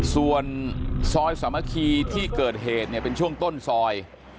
ส่วนซอยสามัคคีที่เกิดเหตุเนี่ยเป็นช่วงต้นซอย